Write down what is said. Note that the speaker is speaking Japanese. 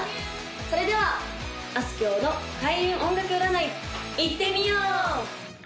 それではあすきょうの開運音楽占いいってみよう！